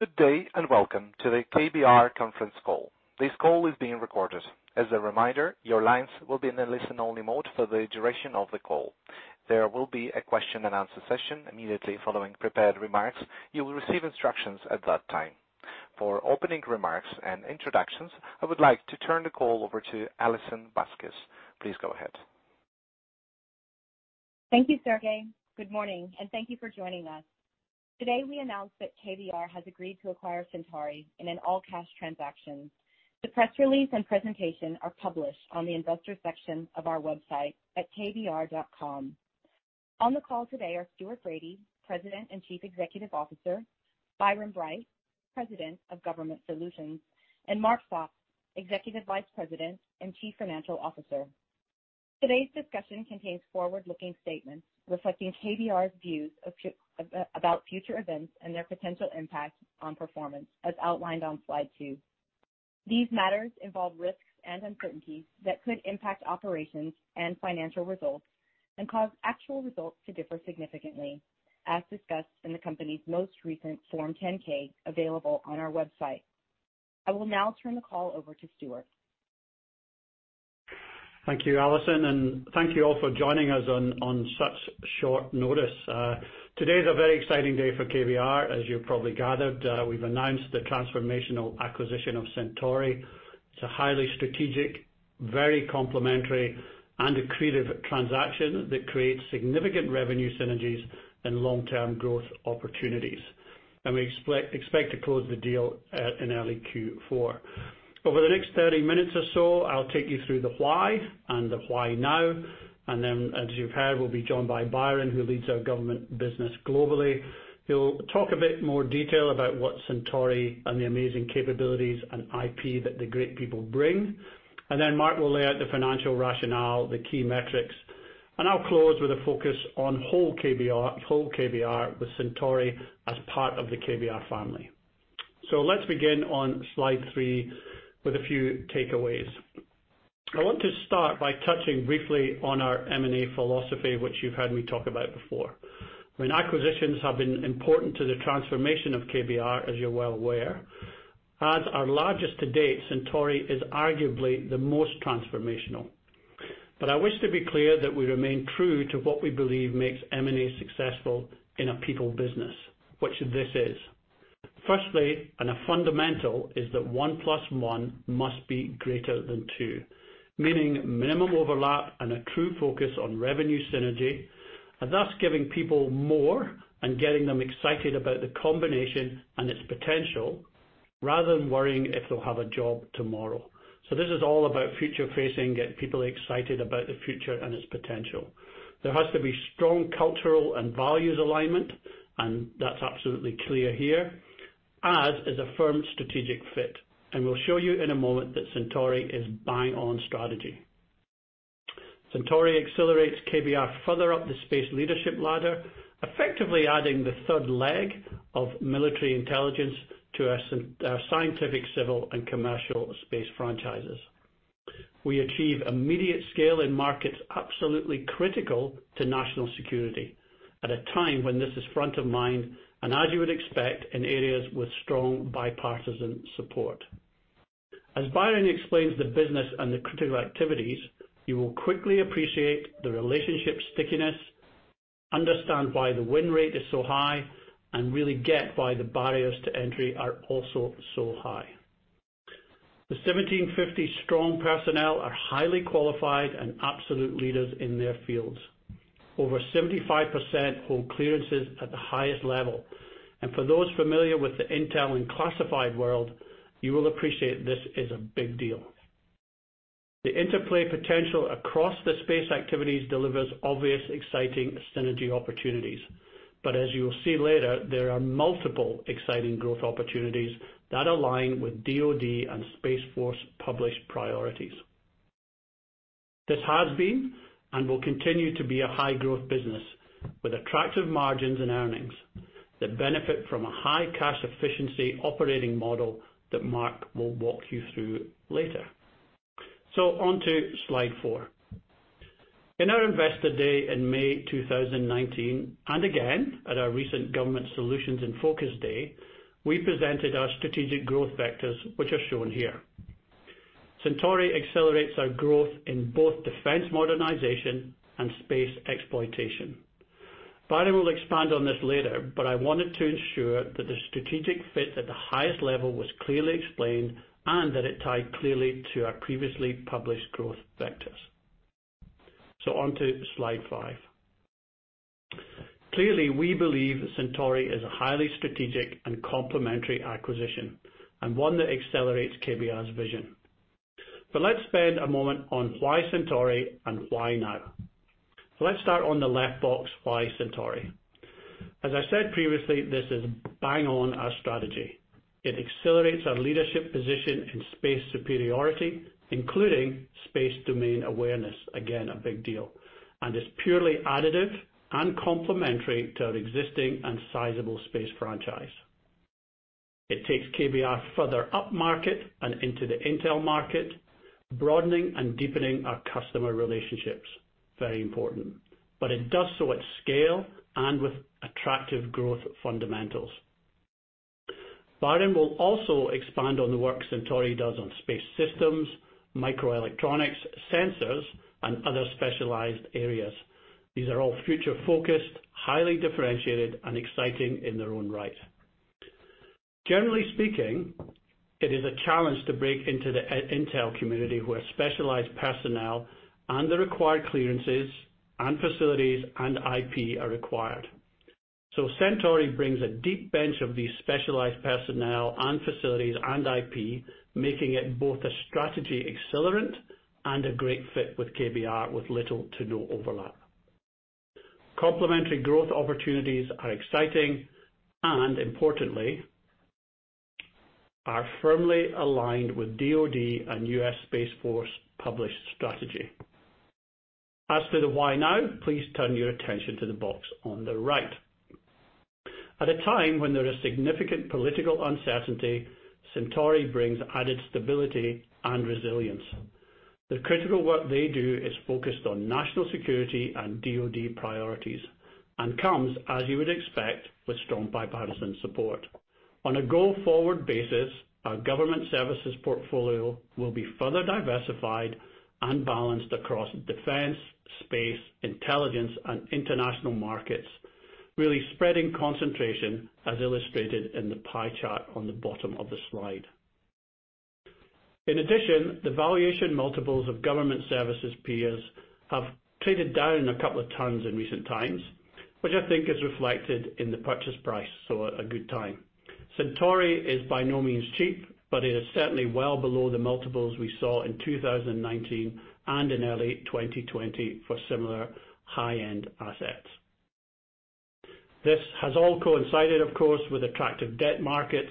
Good day, welcome to the KBR conference call. This call is being recorded. As a reminder, your lines will be in a listen-only mode for the duration of the call. There will be a question-and-answer session immediately following prepared remarks. You will receive instructions at that time. For opening remarks and introductions, I would like to turn the call over to Alison Vasquez. Please go ahead. Thank you, Sergey. Good morning, thank you for joining us. Today, we announce that KBR has agreed to acquire Centauri in an all-cash transaction. The press release and presentation are published on the investor section of our website at kbr.com. On the call today are Stuart Bradie, President and Chief Executive Officer, Byron Bright, President of Government Solutions, and Mark Sopp, Executive Vice President and Chief Financial Officer. Today's discussion contains forward-looking statements reflecting KBR's views about future events and their potential impact on performance, as outlined on slide two. These matters involve risks and uncertainties that could impact operations and financial results and cause actual results to differ significantly, as discussed in the company's most recent Form 10-K, available on our website. I will now turn the call over to Stuart. Thank you, Alison, thank you all for joining us on such short notice. Today's a very exciting day for KBR. As you probably gathered, we've announced the transformational acquisition of Centauri. It's a highly strategic, very complementary, and accretive transaction that creates significant revenue synergies and long-term growth opportunities. We expect to close the deal in early Q4. Over the next 30 minutes or so, I'll take you through the why and the why now, then, as you've heard, we'll be joined by Byron, who leads our government business globally. He'll talk a bit more detail about what Centauri and the amazing capabilities and IP that the great people bring. Then Mark will lay out the financial rationale, the key metrics, and I'll close with a focus on whole KBR with Centauri as part of the KBR family. Let's begin on slide three with a few takeaways. I want to start by touching briefly on our M&A philosophy, which you've heard me talk about before. When acquisitions have been important to the transformation of KBR, as you're well aware, as our largest to date, Centauri is arguably the most transformational. I wish to be clear that we remain true to what we believe makes M&A successful in a people business, which this is. Firstly, a fundamental, is that one plus one must be greater than two, meaning minimum overlap and a true focus on revenue synergy, thus giving people more and getting them excited about the combination and its potential, rather than worrying if they'll have a job tomorrow. This is all about future-facing, get people excited about the future and its potential. There has to be strong cultural and values alignment, that's absolutely clear here, as is a firm strategic fit. We'll show you in a moment that Centauri is bang-on strategy. Centauri accelerates KBR further up the space leadership ladder, effectively adding the third leg of military intelligence to our scientific, civil, and commercial space franchises. We achieve immediate scale in markets absolutely critical to national security at a time when this is front of mind, and as you would expect, in areas with strong bipartisan support. As Byron explains the business and the critical activities, you will quickly appreciate the relationship stickiness, understand why the win rate is so high, and really get why the barriers to entry are also so high. The 1,750 strong personnel are highly qualified and absolute leaders in their fields. Over 75% hold clearances at the highest level. For those familiar with the intel and classified world, you will appreciate this is a big deal. The interplay potential across the space activities delivers obvious, exciting synergy opportunities. As you will see later, there are multiple exciting growth opportunities that align with DoD and Space Force published priorities. This has been, and will continue to be, a high-growth business with attractive margins and earnings that benefit from a high-cash efficiency operating model that Mark will walk you through later. On to slide four. In our Investor Day in May 2019, and again at our recent Government Solutions in Focus Day, we presented our strategic growth vectors, which are shown here. Centauri accelerates our growth in both defense modernization and space exploitation. Byron will expand on this later, I wanted to ensure that the strategic fit at the highest level was clearly explained and that it tied clearly to our previously published growth vectors. On to slide five. Clearly, we believe Centauri is a highly strategic and complementary acquisition, and one that accelerates KBR's vision. Let's spend a moment on why Centauri and why now. Let's start on the left box, why Centauri. As I said previously, this is bang on our strategy. It accelerates our leadership position in space superiority, including Space Domain Awareness, again, a big deal, and is purely additive and complementary to our existing and sizable space franchise. It takes KBR further upmarket and into the intel market, broadening and deepening our customer relationships. Very important. It does so at scale and with attractive growth fundamentals. Byron will also expand on the work Centauri does on space systems, microelectronics, sensors, and other specialized areas. These are all future-focused, highly differentiated, and exciting in their own right. Generally speaking, it is a challenge to break into the intel community, where specialized personnel and the required clearances and facilities and IP are required. Centauri brings a deep bench of these specialized personnel and facilities and IP, making it both a strategy accelerant and a great fit with KBR, with little to no overlap. Complementary growth opportunities are exciting and, importantly, are firmly aligned with DoD and U.S. Space Force published strategy. As to the why now, please turn your attention to the box on the right. At a time when there is significant political uncertainty, Centauri brings added stability and resilience. The critical work they do is focused on national security and DoD priorities and comes, as you would expect, with strong bipartisan support. On a go-forward basis, our government services portfolio will be further diversified and balanced across defense, space, intelligence, and international markets, really spreading concentration, as illustrated in the pie chart on the bottom of the slide. In addition, the valuation multiples of government services peers have traded down a couple of times in recent times, which I think is reflected in the purchase price, so a good time. Centauri is by no means cheap, but it is certainly well below the multiples we saw in 2019 and in early 2020 for similar high-end assets. This has all coincided, of course, with attractive debt markets,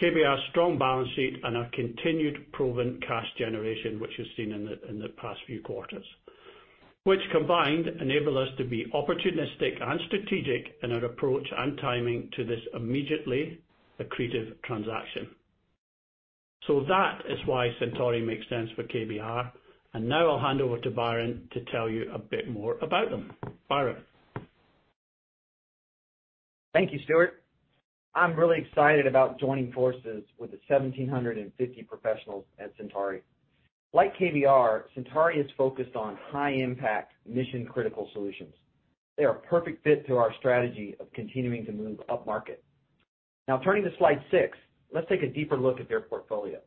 KBR's strong balance sheet, and our continued proven cash generation, which you've seen in the past few quarters, which combined, enable us to be opportunistic and strategic in our approach and timing to this immediately accretive transaction. That is why Centauri makes sense for KBR, and now I'll hand over to Byron to tell you a bit more about them. Byron? Thank you, Stuart. I'm really excited about joining forces with the 1,750 professionals at Centauri. Like KBR, Centauri is focused on high-impact, mission-critical solutions. They are a perfect fit to our strategy of continuing to move upmarket. Turning to slide six, let's take a deeper look at their portfolio.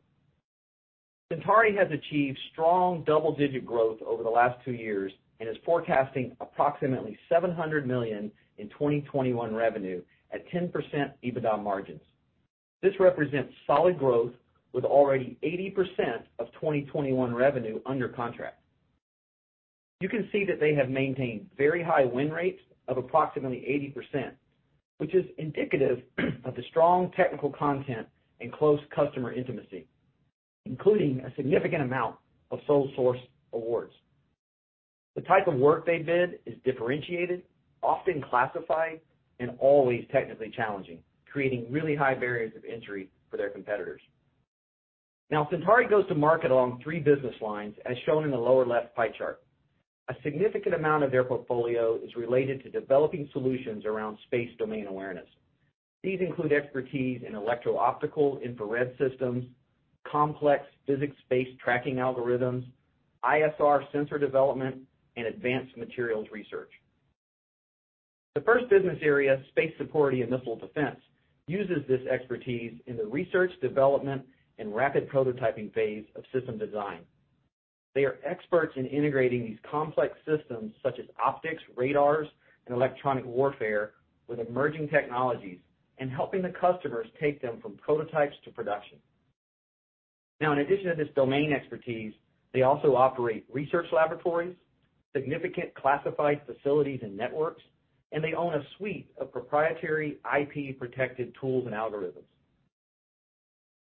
Centauri has achieved strong double-digit growth over the last two years and is forecasting approximately $700 million in 2021 revenue at 10% EBITDA margins. This represents solid growth with already 80% of 2021 revenue under contract. You can see that they have maintained very high win rates of approximately 80%, which is indicative of the strong technical content and close customer intimacy, including a significant amount of sole source awards. The type of work they bid is differentiated, often classified, and always technically challenging, creating really high barriers of entry for their competitors. Centauri goes to market along three business lines, as shown in the lower-left pie chart. A significant amount of their portfolio is related to developing solutions around Space Domain Awareness. These include expertise in Electro-Optical/Infrared systems, complex physics-based tracking algorithms, ISR sensor development, and advanced materials research. The first business area, space superiority and missile defense, uses this expertise in the research, development, and rapid prototyping phase of system design. They are experts in integrating these complex systems, such as optics, radars, and electronic warfare, with emerging technologies and helping the customers take them from prototypes to production. In addition to this domain expertise, they also operate research laboratories, significant classified facilities and networks, and they own a suite of proprietary IP-protected tools and algorithms.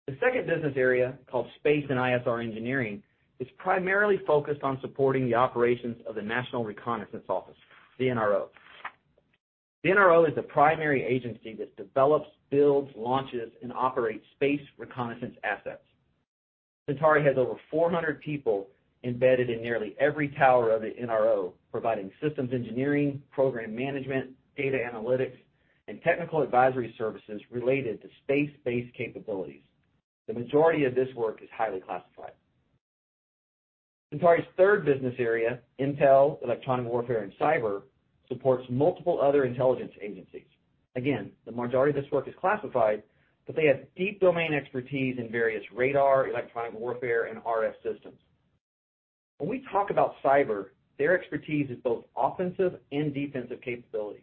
The second business area, called space and ISR engineering, is primarily focused on supporting the operations of the National Reconnaissance Office, the NRO. The NRO is the primary agency that develops, builds, launches, and operates space reconnaissance assets. Centauri has over 400 people embedded in nearly every tower of the NRO, providing systems engineering, program management, data analytics, and technical advisory services related to space-based capabilities. The majority of this work is highly classified. Centauri's third business area, intel, electronic warfare, and cyber, supports multiple other intelligence agencies. Again, the majority of this work is classified, but they have deep domain expertise in various radar, electronic warfare, and RF systems. When we talk about cyber, their expertise is both offensive and defensive capabilities.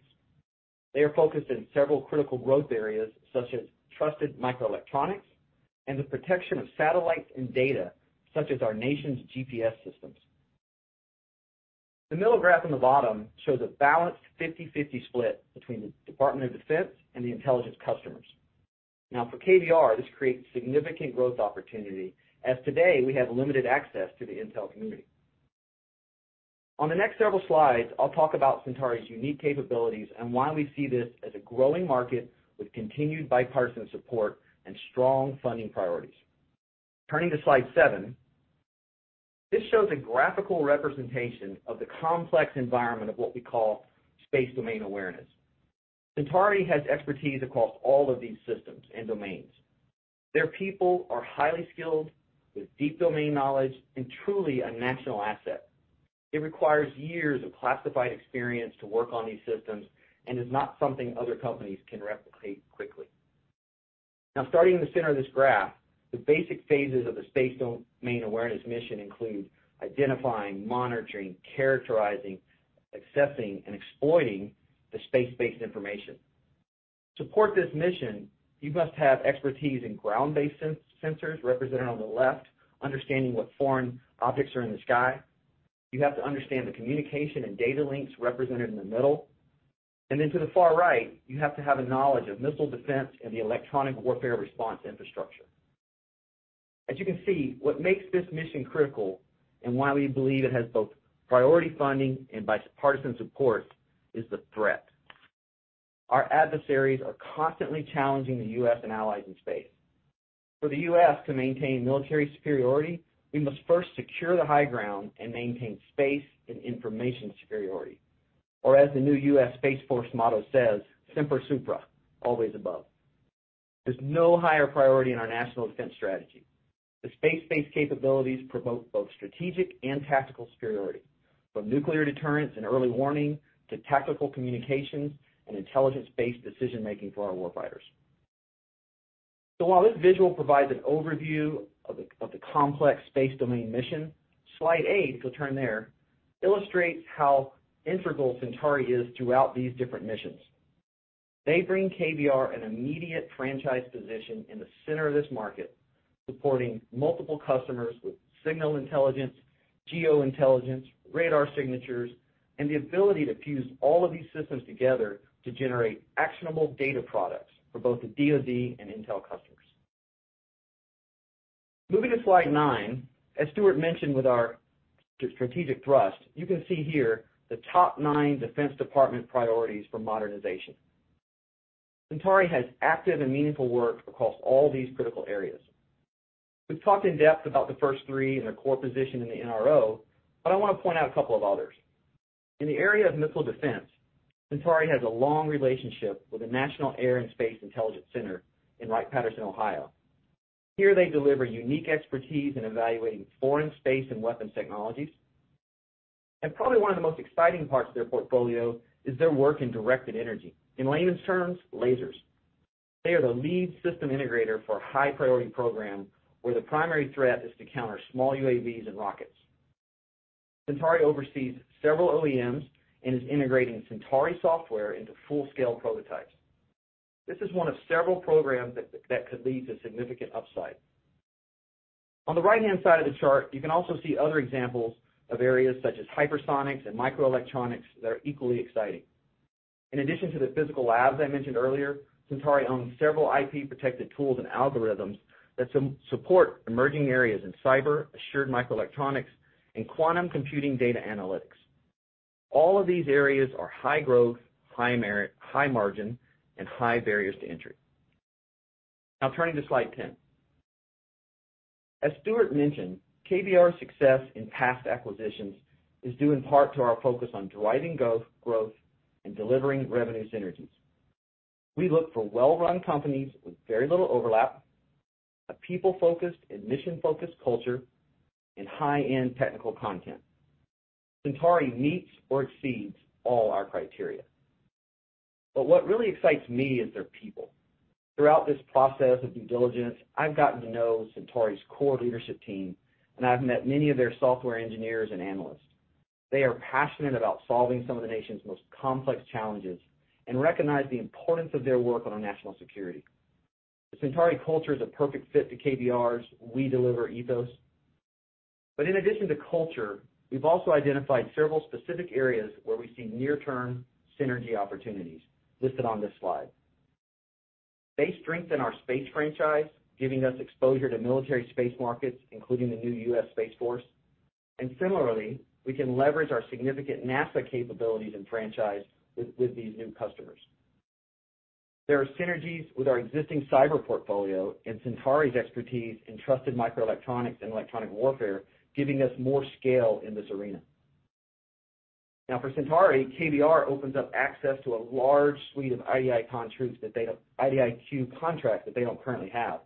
They are focused in several critical growth areas, such as trusted microelectronics and the protection of satellites and data, such as our nation's GPS systems. The middle graph on the bottom shows a balanced 50/50 split between the Department of Defense and the intelligence customers. For KBR, this creates significant growth opportunity, as today we have limited access to the intel community. On the next several slides, I'll talk about Centauri's unique capabilities and why we see this as a growing market with continued bipartisan support and strong funding priorities. To slide seven, this shows a graphical representation of the complex environment of what we call Space Domain Awareness. Centauri has expertise across all of these systems and domains. Their people are highly skilled with deep domain knowledge and truly a national asset. It requires years of classified experience to work on these systems and is not something other companies can replicate quickly. Starting in the center of this graph, the basic phases of the Space Domain Awareness mission include identifying, monitoring, characterizing, accepting, and exploiting the space-based information. To support this mission, you must have expertise in ground-based sensors represented on the left, understanding what foreign objects are in the sky. You have to understand the communication and data links represented in the middle. To the far right, you have to have a knowledge of missile defense and the electronic warfare response infrastructure. You can see, what makes this mission critical and why we believe it has both priority funding and bipartisan support is the threat. Our adversaries are constantly challenging the U.S. and allies in space. For the U.S. to maintain military superiority, we must first secure the high ground and maintain space and information superiority. As the new U.S. Space Force motto says, "Semper Supra," always above. There's no higher priority in our national defense strategy. The space-based capabilities promote both strategic and tactical superiority, from nuclear deterrence and early warning to tactical communications and intelligence-based decision-making for our war fighters. While this visual provides an overview of the complex space domain mission, slide eight, if you'll turn there, illustrates how integral Centauri is throughout these different missions. They bring KBR an immediate franchise position in the center of this market, supporting multiple customers with Signals Intelligence, Geospatial Intelligence, radar signatures, and the ability to fuse all of these systems together to generate actionable data products for both the DoD and intel customers. To slide nine, as Stuart mentioned with our strategic thrust, you can see here the top nine Defense Department priorities for modernization. Centauri has active and meaningful work across all these critical areas. We've talked in depth about the first three and their core position in the NRO, but I want to point out a couple of others. In the area of missile defense, Centauri has a long relationship with the National Air and Space Intelligence Center in Wright-Patterson, Ohio. Here they deliver unique expertise in evaluating foreign space and weapons technologies. Probably one of the most exciting parts of their portfolio is their work in directed energy. In layman's terms, lasers. They are the lead system integrator for a high-priority program where the primary threat is to counter small UAVs and rockets. Centauri oversees several OEMs and is integrating Centauri software into full-scale prototypes. This is one of several programs that could lead to significant upside. On the right-hand side of the chart, you can also see other examples of areas such as hypersonics and microelectronics that are equally exciting. In addition to the physical labs I mentioned earlier, Centauri owns several IP-protected tools and algorithms that support emerging areas in cyber, assured microelectronics, and quantum computing data analytics. All of these areas are high growth, high merit, high margin, and high barriers to entry. Turning to slide 10. As Stuart mentioned, KBR's success in past acquisitions is due in part to our focus on driving growth and delivering revenue synergies. We look for well-run companies with very little overlap, a people-focused and mission-focused culture, and high-end technical content. Centauri meets or exceeds all our criteria. What really excites me is their people. Throughout this process of due diligence, I've gotten to know Centauri's core leadership team, and I've met many of their software engineers and analysts. They are passionate about solving some of the nation's most complex challenges and recognize the importance of their work on our national security. The Centauri culture is a perfect fit to KBR's we deliver ethos. In addition to culture, we've also identified several specific areas where we see near-term synergy opportunities listed on this slide. They strengthen our space franchise, giving us exposure to military space markets, including the new U.S. Space Force. Similarly, we can leverage our significant NASA capabilities and franchise with these new customers. There are synergies with our existing cyber portfolio and Centauri's expertise in trusted microelectronics and electronic warfare, giving us more scale in this arena. Now for Centauri, KBR opens up access to a large suite of IDIQ contracts that they don't currently have.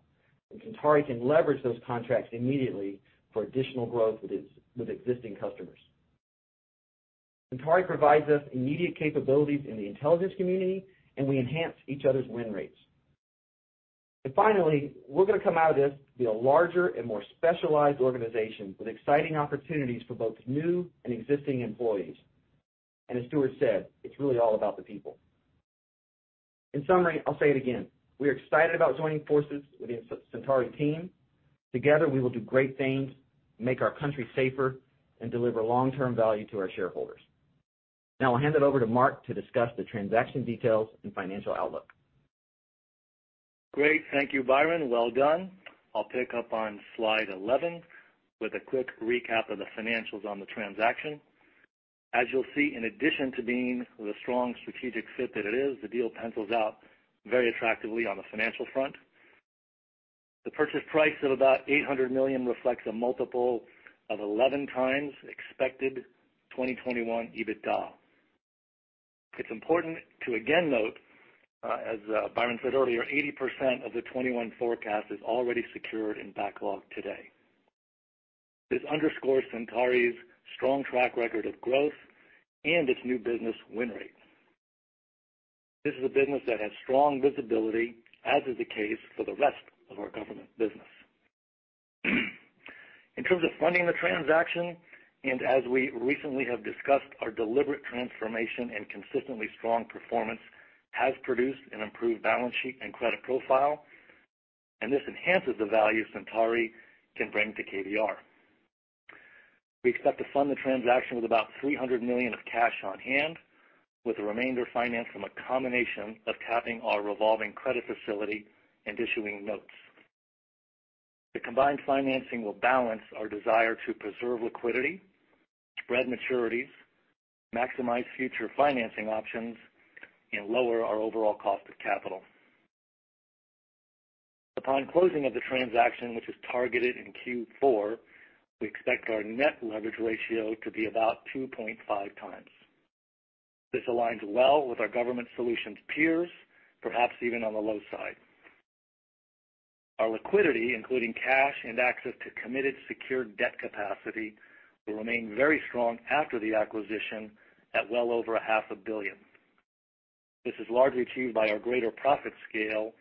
Centauri can leverage those contracts immediately for additional growth with existing customers. Centauri provides us immediate capabilities in the intelligence community, and we enhance each other's win rates. Finally, we're going to come out of this, be a larger and more specialized organization with exciting opportunities for both new and existing employees. As Stuart said, it's really all about the people. In summary, I'll say it again. We are excited about joining forces with the Centauri team. Together, we will do great things, make our country safer, and deliver long-term value to our shareholders. Now I'll hand it over to Mark to discuss the transaction details and financial outlook. Great. Thank you, Byron. Well done. I'll pick up on slide 11 with a quick recap of the financials on the transaction. As you'll see, in addition to being the strong strategic fit that it is, the deal pencils out very attractively on the financial front. The purchase price of about $800 million reflects a multiple of 11 times expected 2021 EBITDA. It's important to again note, as Byron said earlier, 80% of the 2021 forecast is already secured in backlog today. This underscores Centauri's strong track record of growth and its new business win rate. This is a business that has strong visibility, as is the case for the rest of our government business. In terms of funding the transaction, as we recently have discussed, our deliberate transformation and consistently strong performance has produced an improved balance sheet and credit profile, and this enhances the value Centauri can bring to KBR. We expect to fund the transaction with about $300 million of cash on hand, with the remainder financed from a combination of tapping our revolving credit facility and issuing notes. The combined financing will balance our desire to preserve liquidity, spread maturities, maximize future financing options, and lower our overall cost of capital. Upon closing of the transaction, which is targeted in Q4, we expect our net leverage ratio to be about 2.5 times. This aligns well with our government solutions peers, perhaps even on the low side. Our liquidity, including cash and access to committed secured debt capacity, will remain very strong after the acquisition at well over a half a billion. This is largely achieved by our greater profit scale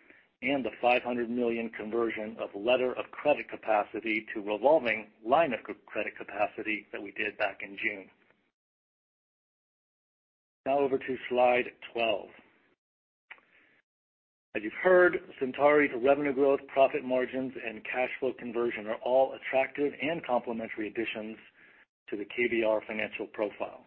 and the $500 million conversion of letter of credit capacity to revolving line of credit capacity that we did back in June. Now over to slide 12. As you've heard, Centauri's revenue growth, profit margins, and cash flow conversion are all attractive and complementary additions to the KBR financial profile.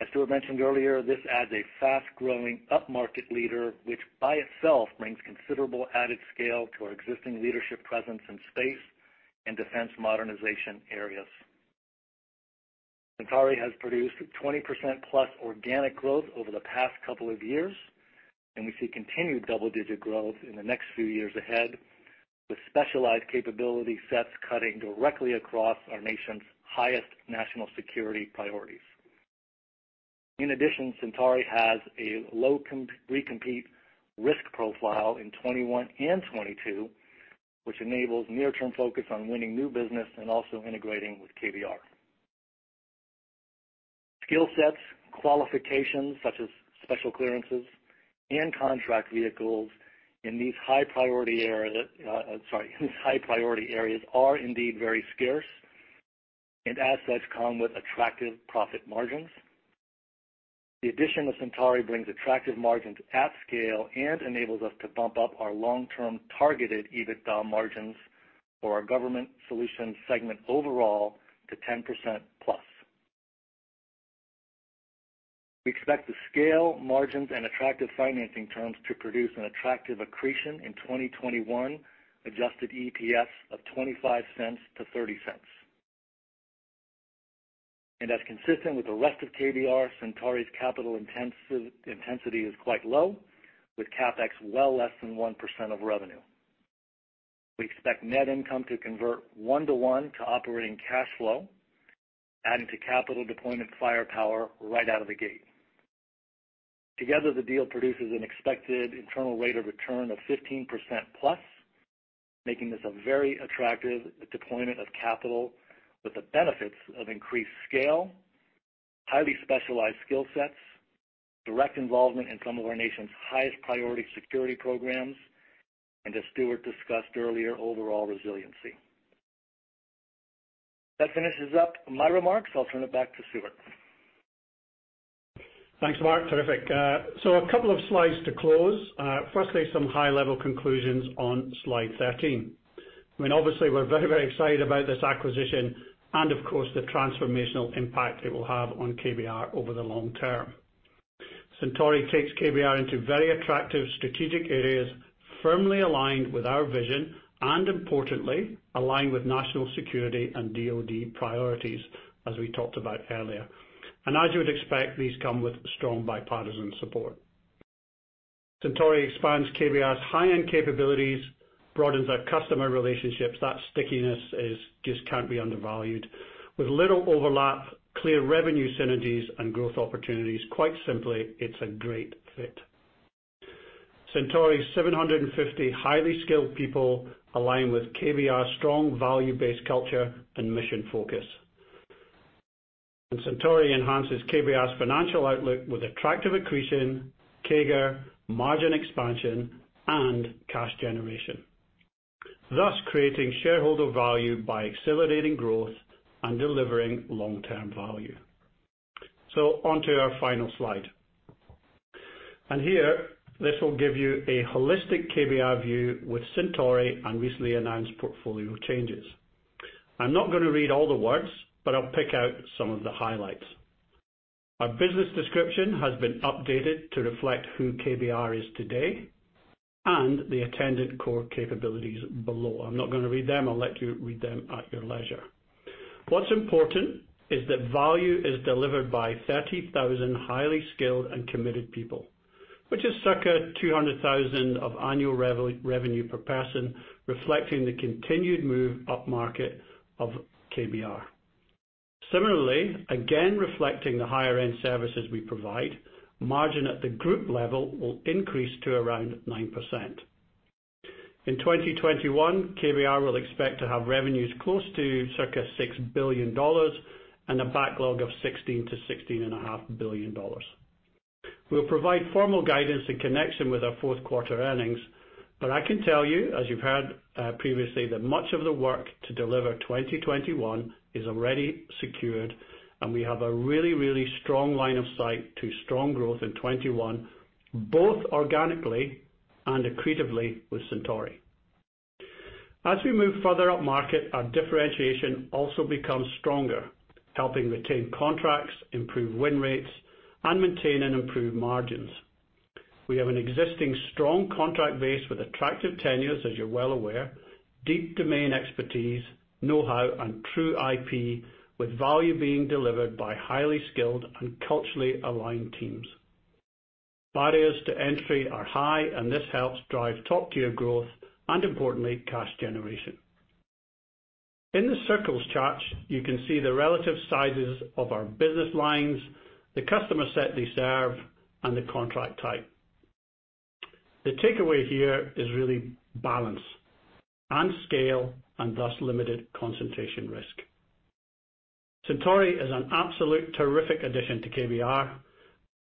As Stuart mentioned earlier, this adds a fast-growing upmarket leader, which by itself brings considerable added scale to our existing leadership presence in space and defense modernization areas. Centauri has produced 20% plus organic growth over the past couple of years, and we see continued double-digit growth in the next few years ahead, with specialized capability sets cutting directly across our nation's highest national security priorities. In addition, Centauri has a low recompete risk profile in 2021 and 2022, which enables near-term focus on winning new business and also integrating with KBR. Skill sets, qualifications such as special clearances and contract vehicles in these high-priority areas are indeed very scarce, and as such, come with attractive profit margins. The addition of Centauri brings attractive margins at scale and enables us to bump up our long-term targeted EBITDA margins for our government solutions segment overall to 10% plus. We expect the scale, margins, and attractive financing terms to produce an attractive accretion in 2021, adjusted EPS of $0.25 to $0.30. As consistent with the rest of KBR, Centauri's capital intensity is quite low, with CapEx well less than 1% of revenue. We expect net income to convert one to one to operating cash flow, adding to capital deployment firepower right out of the gate. Together, the deal produces an expected internal rate of return of 15%+, making this a very attractive deployment of capital with the benefits of increased scale, highly specialized skill sets, direct involvement in some of our nation's highest priority security programs, and as Stuart discussed earlier, overall resiliency. That finishes up my remarks. I'll turn it back to Stuart. Thanks, Mark. Terrific. A couple of slides to close. Firstly, some high-level conclusions on slide 13. Obviously, we're very excited about this acquisition and, of course, the transformational impact it will have on KBR over the long term. Centauri takes KBR into very attractive strategic areas, firmly aligned with our vision and importantly, aligned with national security and DoD priorities, as we talked about earlier. As you would expect, these come with strong bipartisan support. Centauri expands KBR's high-end capabilities, broadens our customer relationships. That stickiness just can't be undervalued. With little overlap, clear revenue synergies, and growth opportunities, quite simply, it's a great fit. Centauri's 750 highly skilled people align with KBR's strong value-based culture and mission focus. Centauri enhances KBR's financial outlook with attractive accretion, CAGR, margin expansion, and cash generation, thus creating shareholder value by accelerating growth and delivering long-term value. On to our final slide. Here, this will give you a holistic KBR view with Centauri and recently announced portfolio changes. I'm not going to read all the words, but I'll pick out some of the highlights. Our business description has been updated to reflect who KBR is today and the attendant core capabilities below. I'm not going to read them. I'll let you read them at your leisure. What's important is that value is delivered by 30,000 highly skilled and committed people, which is circa 200,000 of annual revenue per person, reflecting the continued move upmarket of KBR. Similarly, again, reflecting the higher-end services we provide, margin at the group level will increase to around 9%. In 2021, KBR will expect to have revenues close to circa $6 billion and a backlog of $16 billion-$16.5 billion. We'll provide formal guidance in connection with our fourth quarter earnings. I can tell you, as you've heard previously, that much of the work to deliver 2021 is already secured, and we have a really strong line of sight to strong growth in 2021, both organically and accretively with Centauri. As we move further upmarket, our differentiation also becomes stronger, helping retain contracts, improve win rates, and maintain and improve margins. We have an existing strong contract base with attractive tenures, as you're well aware, deep domain expertise, know-how, and true IP, with value being delivered by highly skilled and culturally aligned teams. Barriers to entry are high. This helps drive top-tier growth and importantly, cash generation. In the circles charts, you can see the relative sizes of our business lines, the customer set they serve, and the contract type. The takeaway here is really balance and scale, and thus limited concentration risk. Centauri is an absolute terrific addition to KBR.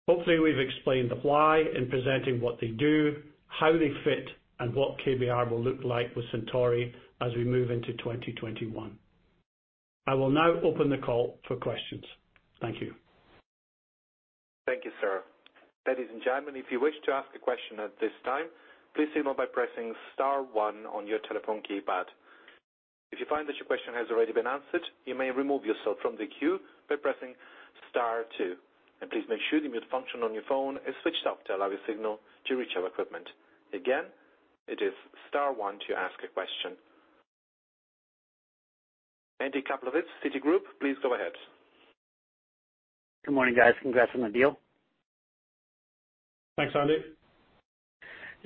Hopefully, we've explained the why in presenting what they do, how they fit, and what KBR will look like with Centauri as we move into 2021. I will now open the call for questions. Thank you. Thank you, sir. Ladies and gentlemen, if you wish to ask a question at this time, please signal by pressing star one on your telephone keypad. If you find that your question has already been answered, you may remove yourself from the queue by pressing star two. Please make sure the mute function on your phone is switched off to allow a signal to reach our equipment. Again, it is star one to ask a question. Andrew Kaplowitz, Citigroup, please go ahead. Good morning, guys. Congrats on the deal. Thanks, Andrew.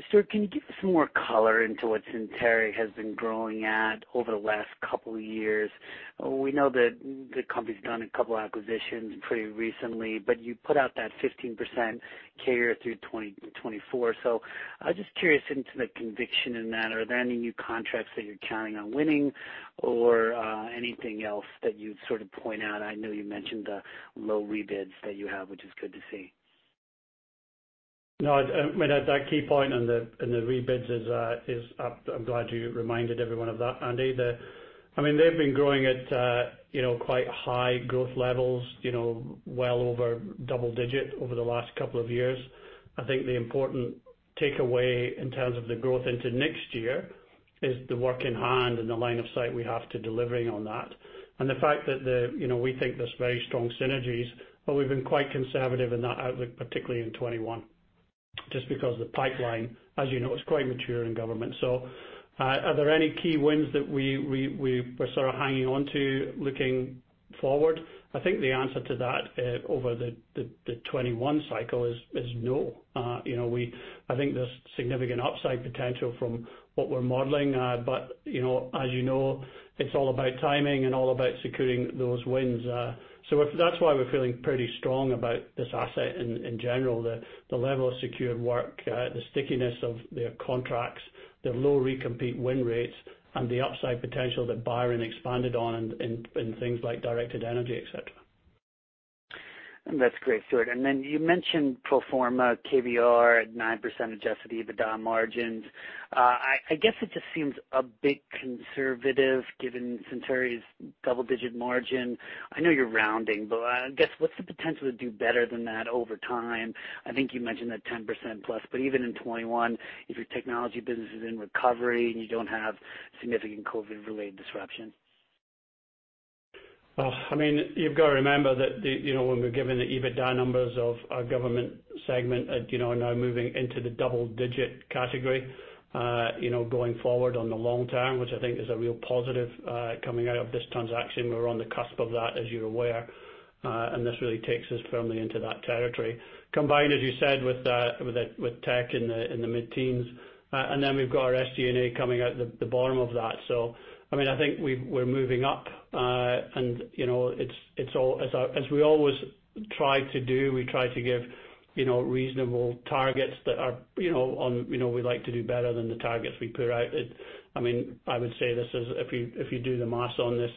Stuart, can you give us some more color into what Centauri has been growing at over the last couple of years? We know that the company's done a couple acquisitions pretty recently, but you put out that 15% CAGR through 2024. I'm just curious into the conviction in that. Are there any new contracts that you're counting on winning or anything else that you'd sort of point out? I know you mentioned the low rebids that you have, which is good to see. I mean, that key point in the rebids is, I'm glad you reminded everyone of that, Andy. They've been growing at quite high growth levels, well over double-digit over the last couple of years. I think the important takeaway in terms of the growth into next year is the work in hand and the line of sight we have to delivering on that. The fact that we think there's very strong synergies, but we've been quite conservative in that outlook, particularly in 2021, just because the pipeline, as you know, is quite mature in government. Are there any key wins that we're sort of hanging on to looking forward? I think the answer to that over the 2021 cycle is no. I think there's significant upside potential from what we're modeling, as you know, it's all about timing and all about securing those wins. That's why we're feeling pretty strong about this asset in general, the level of secured work, the stickiness of their contracts, the low recompete win rates, and the upside potential that Byron expanded on in things like directed energy, et cetera. That's great, Stuart. You mentioned pro forma KBR at 9% adjusted EBITDA margins. I guess it just seems a bit conservative given Centauri's double-digit margin. I know you're rounding, I guess what's the potential to do better than that over time? I think you mentioned that 10%+, even in 2021, if your technology business is in recovery and you don't have significant COVID-related disruption. You've got to remember that when we're giving the EBITDA numbers of our government segment are now moving into the double-digit category going forward on the long term, which I think is a real positive coming out of this transaction. We're on the cusp of that, as you're aware, and this really takes us firmly into that territory. Combined, as you said, with tech in the mid-teens, then we've got our SG&A coming out the bottom of that. I think we're moving up. As we always try to do, we try to give reasonable targets that we like to do better than the targets we put out. I would say this is if you do the math on this,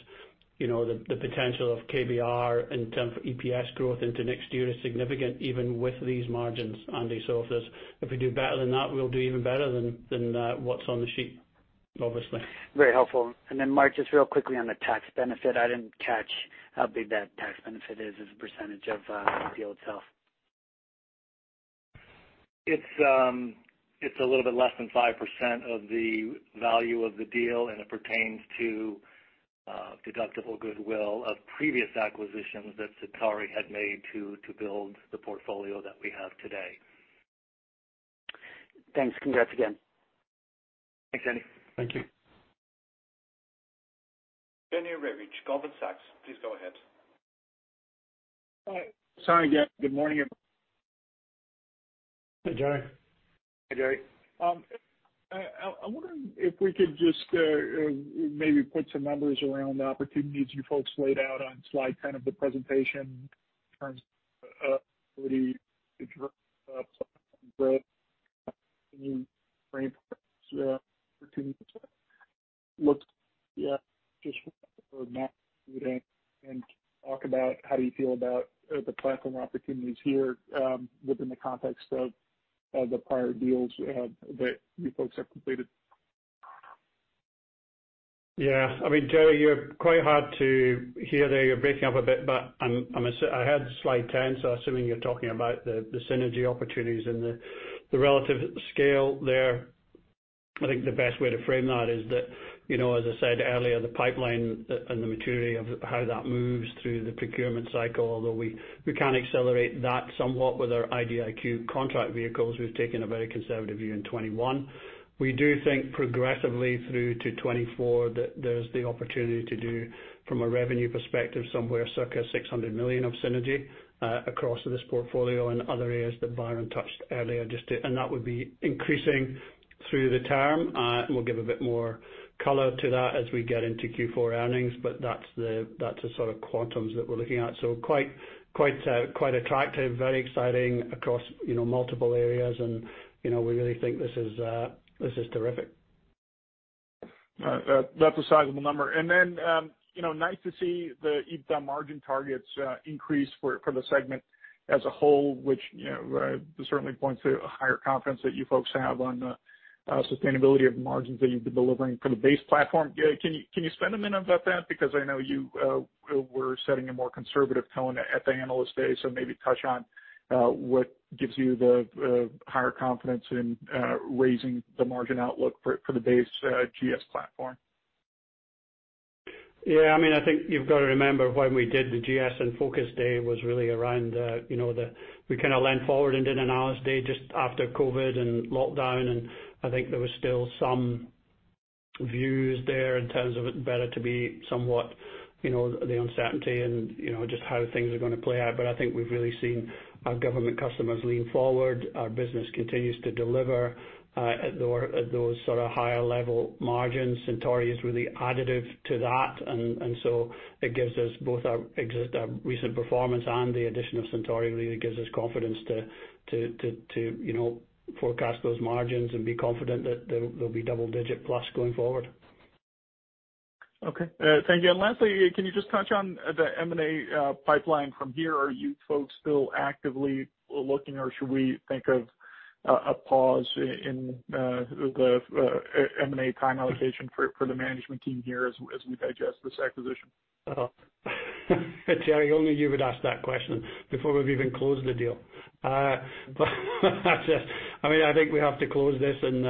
the potential of KBR in terms of EPS growth into next year is significant, even with these margins, Andy. If we do better than that, we'll do even better than what's on the sheet, obviously. Very helpful. Mark, just real quickly on the tax benefit, I didn't catch how big that tax benefit is as a percentage of the deal itself. It's a little bit less than 5% of the value of the deal, and it pertains to deductible goodwill of previous acquisitions that Centauri had made to build the portfolio that we have today. Thanks. Congrats again. Thanks, Andy. Thank you. Jerry Revich, Goldman Sachs, please go ahead. Hi, sorry again, good morning, everyone. Hey, Jerry. Hey, Jerry. I wonder if we could just maybe put some numbers around the opportunities you folks laid out on slide 10 of the presentation in terms of ability to drive up platform growth in frame opportunities. Look, yeah, just for Mark and talk about how do you feel about the platform opportunities here, within the context of the prior deals that you folks have completed. Yeah. Jerry, you're quite hard to hear there. You're breaking up a bit. I heard slide 10, so assuming you're talking about the synergy opportunities and the relative scale there, I think the best way to frame that is that, as I said earlier, the pipeline and the maturity of how that moves through the procurement cycle, although we can accelerate that somewhat with our IDIQ contract vehicles, we've taken a very conservative view in 2021. We do think progressively through to 2024 that there's the opportunity to do, from a revenue perspective, somewhere circa $600 million of synergy across this portfolio and other areas that Byron touched earlier. That would be increasing through the term. We'll give a bit more color to that as we get into Q4 earnings, but that's the sort of quantums that we're looking at. Quite attractive, very exciting across multiple areas, we really think this is terrific. That's a sizable number. Then, nice to see the margin targets increase for the segment as a whole, which certainly points to a higher confidence that you folks have on the sustainability of margins that you've been delivering for the base platform. Can you expand a minute about that? Because I know you were setting a more conservative tone at the Analyst Day, maybe touch on what gives you the higher confidence in raising the margin outlook for the base GS platform. I think you've got to remember when we did the GS in Focus Day was really we kind of leaned forward and did Analyst Day just after COVID and lockdown, I think there was still some views there in terms of it better to be somewhat, the uncertainty and just how things are going to play out. I think we've really seen our government customers lean forward. Our business continues to deliver at those sort of higher-level margins. Centauri is really additive to that. So it gives us both our recent performance and the addition of Centauri really gives us confidence to forecast those margins and be confident that they'll be double-digit plus going forward. Okay. Thank you. Lastly, can you just touch on the M&A pipeline from here? Are you folks still actively looking, or should we think of a pause in the M&A time allocation for the management team here as we digest this acquisition? Jerry, only you would ask that question before we've even closed the deal. I think we have to close this and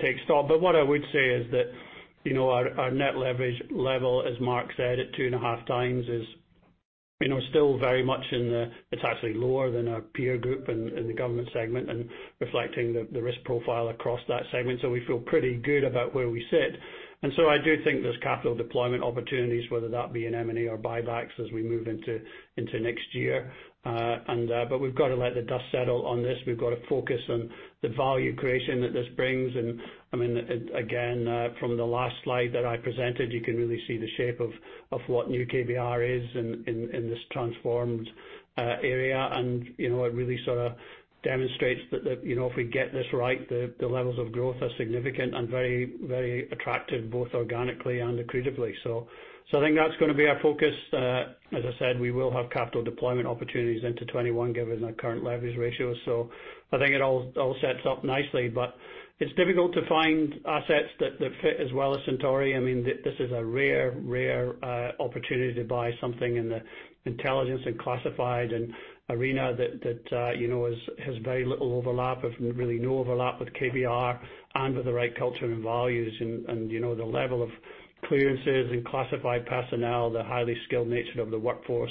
take stock. What I would say is that our net leverage level, as Mark said, at 2.5 times is still very much in the-- it's actually lower than our peer group in the government segment and reflecting the risk profile across that segment. We feel pretty good about where we sit. I do think there's capital deployment opportunities, whether that be in M&A or buybacks as we move into next year. We've got to let the dust settle on this. We've got to focus on the value creation that this brings. Again, from the last slide that I presented, you can really see the shape of what new KBR is in this transformed area. It really sort of demonstrates that if we get this right, the levels of growth are significant and very attractive, both organically and accretively. I think that's going to be our focus. As I said, we will have capital deployment opportunities into 2021 given our current leverage ratio. I think it all sets up nicely, but it's difficult to find assets that fit as well as Centauri. This is a rare opportunity to buy something in the intelligence and classified arena that has very little overlap, really no overlap with KBR and with the right culture and values and the level of clearances and classified personnel, the highly skilled nature of the workforce.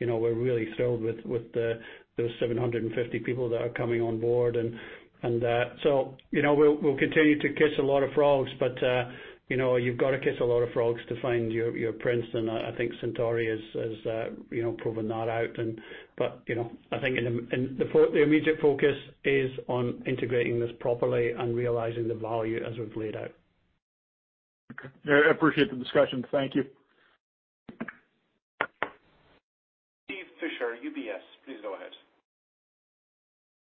We're really thrilled with those 750 people that are coming on board. We'll continue to kiss a lot of frogs, but you've got to kiss a lot of frogs to find your prince, and I think Centauri has proven that out. I think the immediate focus is on integrating this properly and realizing the value as we've laid out. Okay. I appreciate the discussion. Thank you. Steven Fisher, UBS. Please go ahead.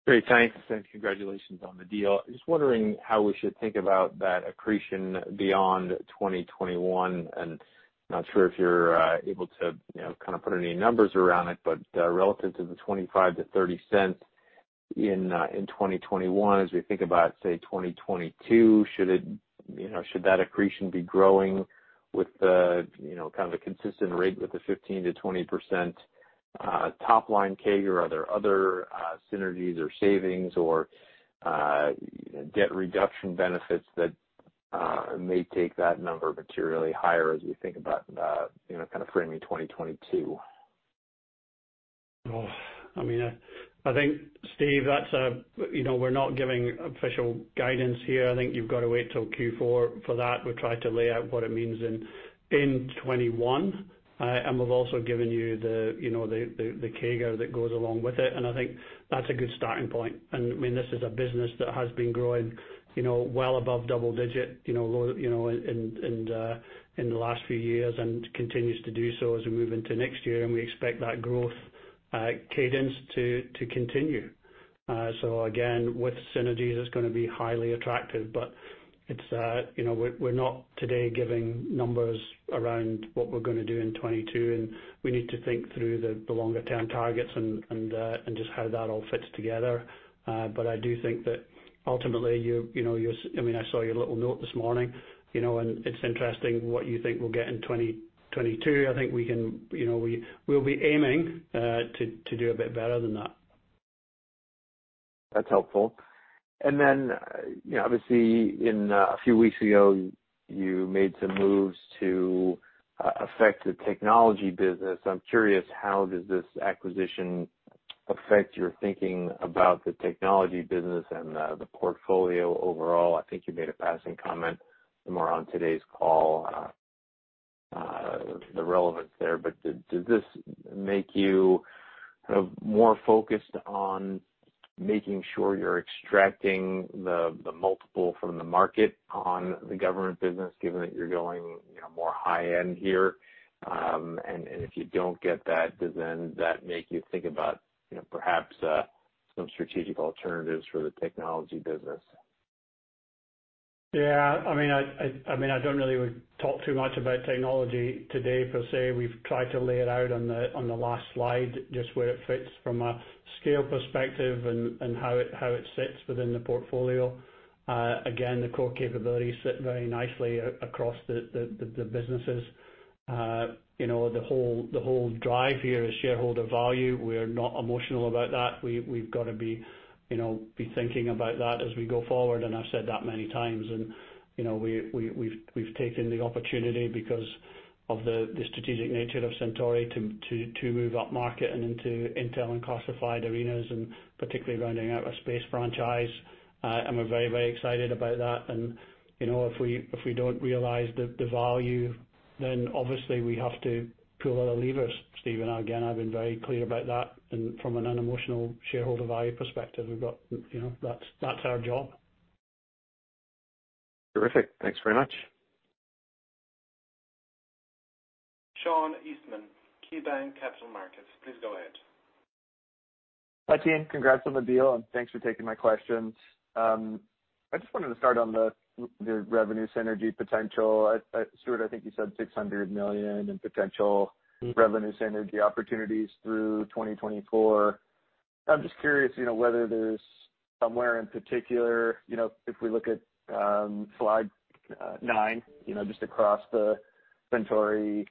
Great. Thanks. Congratulations on the deal. Just wondering how we should think about that accretion beyond 2021. Not sure if you're able to kind of put any numbers around it, but relative to the $0.25-$0.30 in 2021, as we think about, say, 2022, should that accretion be growing with kind of a consistent rate with the 15%-20% top line CAGR? Are there other synergies or savings or debt reduction benefits that may take that number materially higher as we think about kind of framing 2022? I think, Steven, we're not giving official guidance here. I think you've got to wait till Q4 for that. We've tried to lay out what it means in 2021. We've also given you the CAGR that goes along with it, and I think that's a good starting point. This is a business that has been growing well above double digit in the last few years and continues to do so as we move into next year, and we expect that growth cadence to continue. Again, with synergies, it's going to be highly attractive. We're not today giving numbers around what we're going to do in 2022, and we need to think through the longer-term targets and just how that all fits together. I do think that ultimately, I saw your little note this morning, and it's interesting what you think we'll get in 2022. I think we'll be aiming to do a bit better than that. That's helpful. Obviously, a few weeks ago, you made some moves to affect the technology business. I'm curious, how does this acquisition affect your thinking about the technology business and the portfolio overall? I think you made a passing comment more on today's call, the relevance there. Does this make you kind of more focused on making sure you're extracting the multiple from the market on the government business, given that you're going more high-end here? If you don't get that, does then that make you think about perhaps some strategic alternatives for the technology business? Yeah. I don't really talk too much about technology today, per se. We've tried to lay it out on the last slide, just where it fits from a scale perspective and how it sits within the portfolio. Again, the core capabilities sit very nicely across the businesses. The whole drive here is shareholder value. We're not emotional about that. We've got to be thinking about that as we go forward, and I've said that many times. We've taken the opportunity, because of the strategic nature of Centauri, to move upmarket and into intel and classified arenas, and particularly rounding out a space franchise. We're very excited about that. If we don't realize the value, then obviously we have to pull other levers, Steve. Again, I've been very clear about that from an unemotional shareholder value perspective, that's our job. Terrific. Thanks very much. Sean Eastman, KeyBanc Capital Markets, please go ahead. Hi, team. Congrats on the deal, and thanks for taking my questions. I just wanted to start on the revenue synergy potential. Stuart, I think you said $600 million in potential revenue synergy opportunities through 2024. I'm just curious whether there's somewhere in particular, if we look at slide nine, just across the Centauri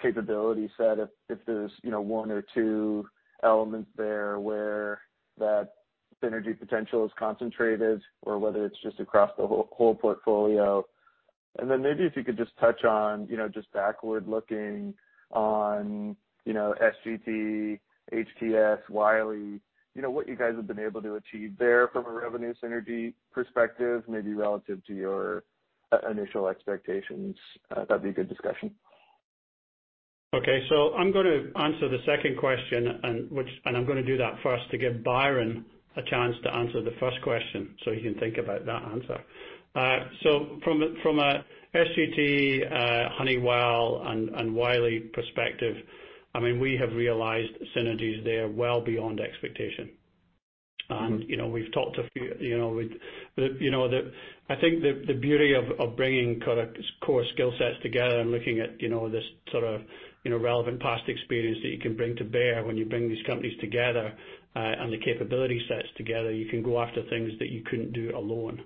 capability set, if there's one or two elements there where that synergy potential is concentrated or whether it's just across the whole portfolio. Then maybe if you could just touch on, just backward looking on SGT, HTS, Wyle, what you guys have been able to achieve there from a revenue synergy perspective, maybe relative to your initial expectations. That'd be a good discussion. Okay. I'm going to answer the second question, I'm going to do that first to give Byron a chance to answer the first question so he can think about that answer. From a SGT, Honeywell, and Wyle perspective, we have realized synergies there well beyond expectation. I think the beauty of bringing core skill sets together and looking at this sort of relevant past experience that you can bring to bear when you bring these companies together, and the capability sets together, you can go after things that you couldn't do alone.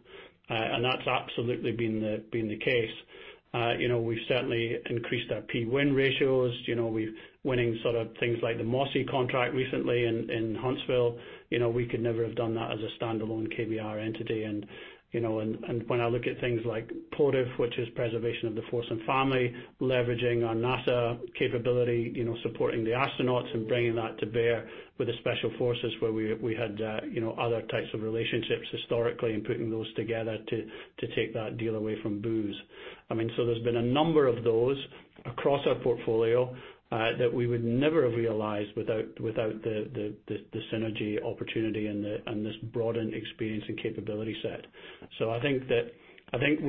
That's absolutely been the case. We've certainly increased our P win ratios. We're winning sort of things like the MOSSI contract recently in Huntsville. We could never have done that as a standalone KBR entity. When I look at things like POTFF, which is Preservation of the Force and Family, leveraging our NASA capability, supporting the astronauts and bringing that to bear with the special forces where we had other types of relationships historically and putting those together to take that deal away from Booz. There's been a number of those across our portfolio that we would never have realized without the synergy opportunity and this broadened experience and capability set. I think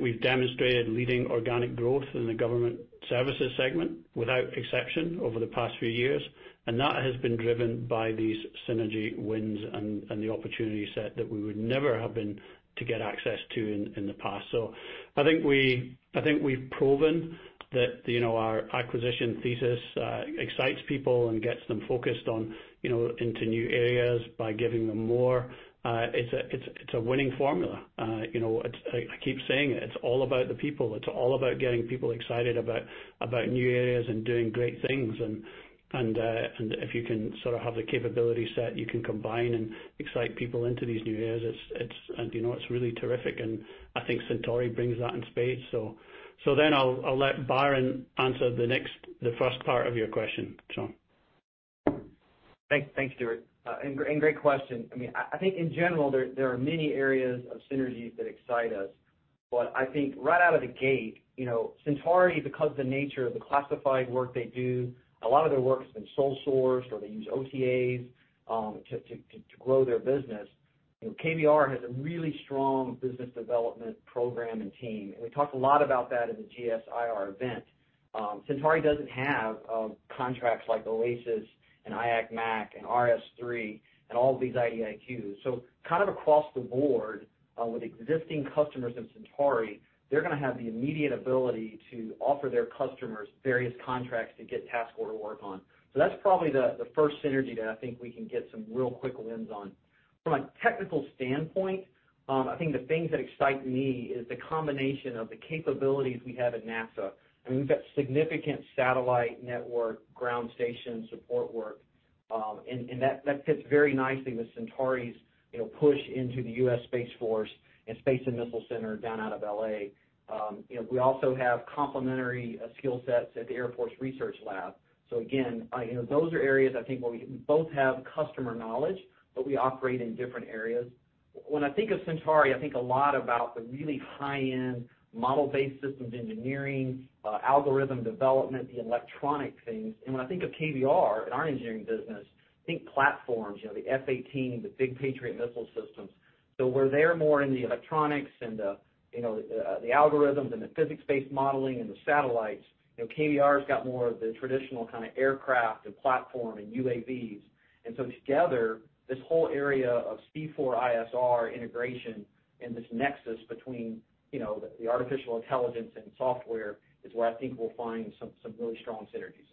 we've demonstrated leading organic growth in the government services segment without exception over the past few years, that has been driven by these synergy wins and the opportunity set that we would never have been to get access to in the past. I think we've proven that our acquisition thesis excites people and gets them focused into new areas by giving them more. It's a winning formula. I keep saying it's all about the people, it's all about getting people excited about new areas and doing great things. If you can sort of have the capability set, you can combine and excite people into these new areas. It's really terrific, and I think Centauri brings that in spades. I'll let Byron answer the first part of your question, Sean. Thanks, Stuart. Great question. I think in general, there are many areas of synergies that excite us. I think right out of the gate, Centauri, because of the nature of the classified work they do, a lot of their work has been sole sourced or they use OTAs to grow their business. KBR has a really strong business development program and team, we talked a lot about that at the GS IR event. Centauri doesn't have contracts like OASIS and IAC MAC and RS3 and all of these IDIQs. Kind of across the board with existing customers in Centauri, they're going to have the immediate ability to offer their customers various contracts to get task order work on. That's probably the first synergy that I think we can get some real quick wins on. From a technical standpoint, I think the things that excite me is the combination of the capabilities we have at NASA. I mean, we've got significant satellite network, ground station support work. That fits very nicely with Centauri's push into the U.S. Space Force and Space and Missile Center down out of L.A. We also have complementary skill sets at the Air Force Research Lab. Again, those are areas I think where we both have customer knowledge, but we operate in different areas. When I think of Centauri, I think a lot about the really high-end model-based systems engineering, algorithm development, the electronic things. When I think of KBR and our engineering business, I think platforms, the F-18, the big Patriot missile systems. Where they're more in the electronics and the algorithms and the physics-based modeling and the satellites, KBR's got more of the traditional kind of aircraft and platform and UAVs. Together, this whole area of C4ISR integration and this nexus between the artificial intelligence and software is where I think we'll find some really strong synergies.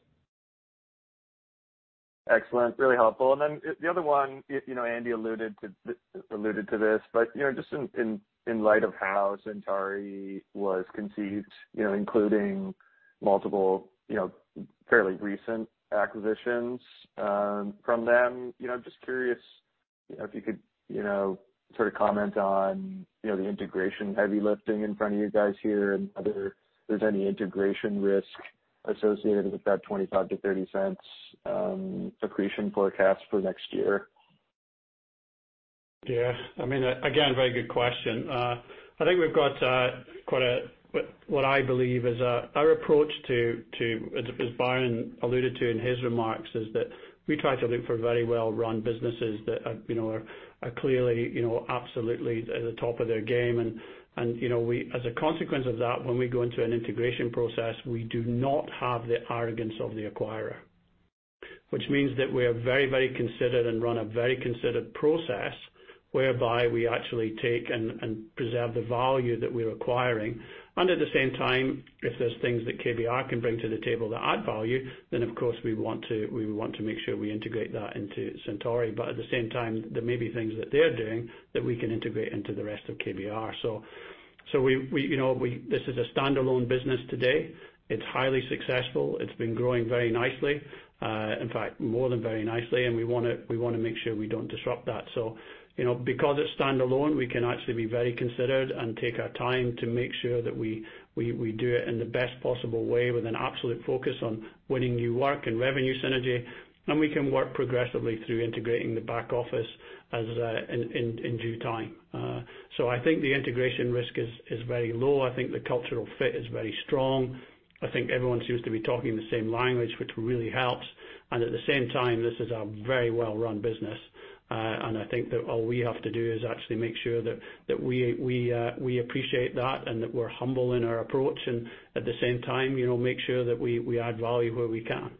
Excellent. Really helpful. The other one, Andy alluded to this, but just in light of how Centauri was conceived, including multiple, fairly recent acquisitions from them. Just curious, if you could sort of comment on the integration heavy lifting in front of you guys here, and whether there's any integration risk associated with that $0.25-$0.30 accretion forecast for next year. Yeah. Again, very good question. I think we've got quite what I believe is our approach to, as Byron alluded to in his remarks, is that we try to look for very well-run businesses that are clearly absolutely at the top of their game. As a consequence of that, when we go into an integration process, we do not have the arrogance of the acquirer. Which means that we are very, very considered and run a very considered process whereby we actually take and preserve the value that we're acquiring. At the same time, if there's things that KBR can bring to the table that add value, then of course, we want to make sure we integrate that into Centauri. At the same time, there may be things that they're doing that we can integrate into the rest of KBR. This is a standalone business today. It's highly successful. It's been growing very nicely. In fact, more than very nicely, we want to make sure we don't disrupt that. Because it's standalone, we can actually be very considered and take our time to make sure that we do it in the best possible way with an absolute focus on winning new work and revenue synergy. We can work progressively through integrating the back office in due time. I think the integration risk is very low. I think the cultural fit is very strong. I think everyone seems to be talking the same language, which really helps. At the same time, this is a very well-run business. I think that all we have to do is actually make sure that we appreciate that and that we're humble in our approach. At the same time, make sure that we add value where we can.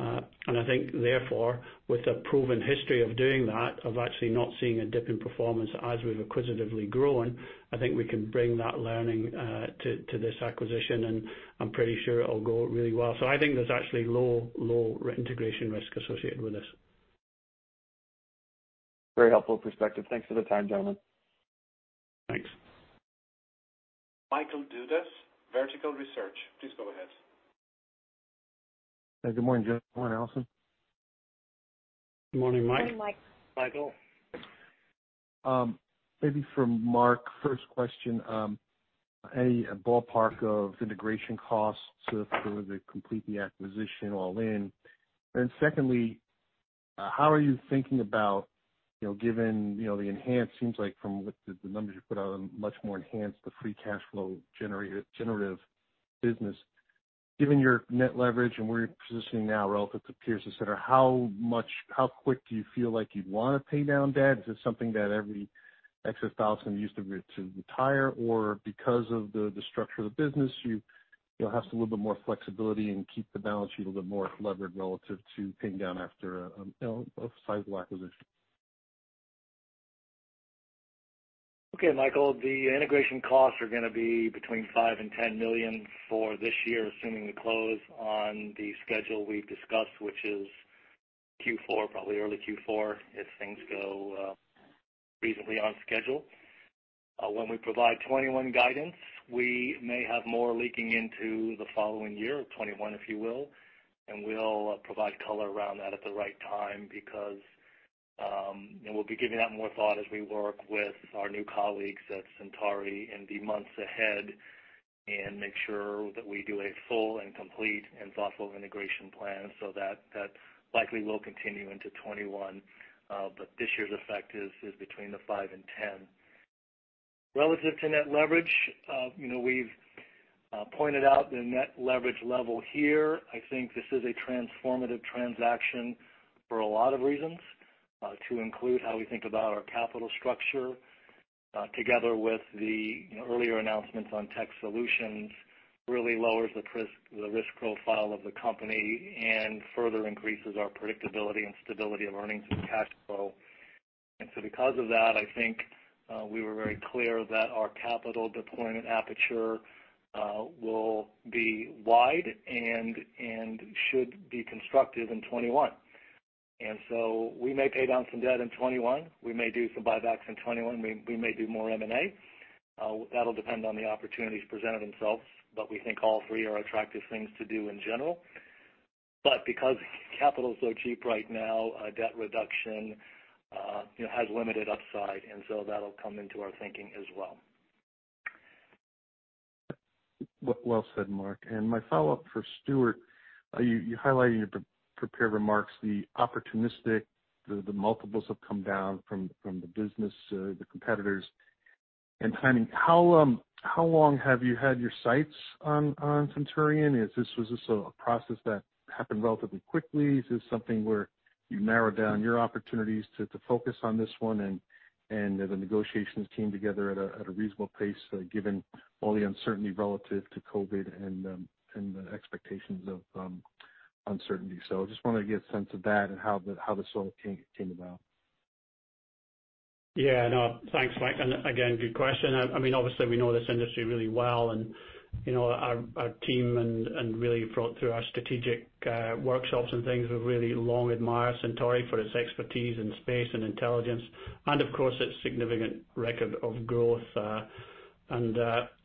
I think therefore, with a proven history of doing that, of actually not seeing a dip in performance as we've acquisitively grown, I think we can bring that learning to this acquisition, and I'm pretty sure it'll go really well. I think there's actually low integration risk associated with this. Very helpful perspective. Thanks for the time, gentlemen. Thanks. Michael Dudas, Vertical Research. Please go ahead. Good morning, gentlemen. Good morning, Alison. Good morning, Mike. Good morning, Michael. Michael, maybe for Mark, first question, any ballpark of integration costs to sort of complete the acquisition all in? Secondly, how are you thinking about, given the enhanced—seems like from the numbers you put out, much more enhanced, the free cash flow generative business. Given your net leverage and where you are positioning now relative to peers, et cetera, how quick do you feel like you would want to pay down debt? Is this something that every excess dollar is going to be used to retire, or because of the structure of the business, you will have some little bit more flexibility and keep the balance sheet a little bit more levered relative to paying down after a sizable acquisition? Okay, Michael, the integration costs are going to be between $5 million and $10 million for this year, assuming we close on the schedule we've discussed, which is Q4, probably early Q4, if things go reasonably on schedule. When we provide 2021 guidance, we may have more leaking into the following year, 2021, if you will, and we'll provide color around that at the right time because we'll be giving that more thought as we work with our new colleagues at Centauri in the months ahead and make sure that we do a full and complete and thoughtful integration plan so that likely will continue into 2021. This year's effect is between the $5 million and $10 million. Relative to net leverage, we've pointed out the net leverage level here. I think this is a transformative transaction for a lot of reasons, to include how we think about our capital structure, together with the earlier announcements on tech solutions, really lowers the risk profile of the company and further increases our predictability and stability of earnings and cash flow. Because of that, I think we were very clear that our capital deployment aperture will be wide and should be constructive in 2021. We may pay down some debt in 2021. We may do some buybacks in 2021. We may do more M&A. That'll depend on the opportunities presented themselves, but we think all three are attractive things to do in general. Because capital is so cheap right now, debt reduction has limited upside, and so that'll come into our thinking as well. Well said, Mark. My follow-up for Stuart, you highlighted in your prepared remarks the opportunistic, the multiples have come down from the business, the competitors and timing. How long have you had your sights on Centauri? Was this a process that happened relatively quickly? Is this something where you narrowed down your opportunities to focus on this one and the negotiations came together at a reasonable pace, given all the uncertainty relative to COVID and the expectations of uncertainty? I just wanted to get a sense of that and how this all came about. Yeah, no. Thanks, Mike. Again, good question. Obviously, we know this industry really well and our team and really through our strategic workshops and things, we've really long admired Centauri for its expertise in space and intelligence and of course, its significant record of growth.